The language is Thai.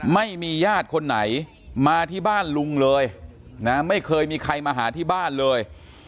ไม่มีญาติคนไหนมาที่บ้านลุงเลยนะไม่เคยมีใครมาหาที่บ้านเลย